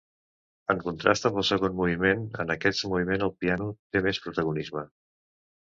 En contrast amb el segon moviment, en aquest moviment el piano té més protagonisme.